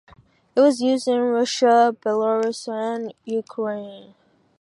It was used in Russia, Belarus, and Ukraine.